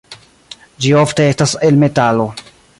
Ĝi ofte estas el metalo.